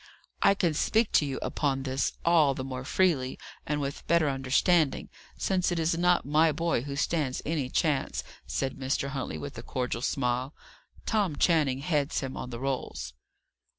"I can speak to you upon this all the more freely and with better understanding, since it is not my boy who stands any chance," said Mr. Huntley, with a cordial smile. "Tom Channing heads him on the rolls."